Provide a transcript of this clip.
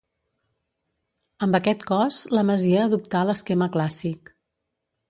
Amb aquest cos la masia adoptà l'esquema clàssic.